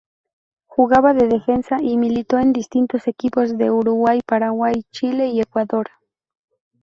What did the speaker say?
Jugaba de defensa y militó en distintos equipos de Uruguay, Paraguay, Chile y Ecuador.